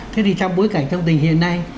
thế thì trong bối cảnh trong tình hiện nay